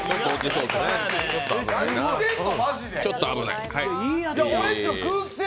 何してんの！